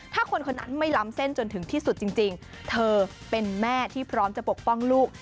ถ้าคนคนนั้นไม่ล้ำเส้นจนถึงที่สุดจริงเธอเป็นแม่ที่พร้อมจะปกป้องลูก